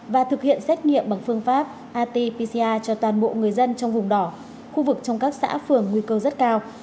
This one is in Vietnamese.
và thực hiện xét nghiệm bằng phương pháp rt pcr cho toàn bộ người dân trong vùng đỏ khu vực trong các xã phường nguy cơ rất cao